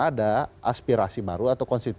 ada aspirasi baru atau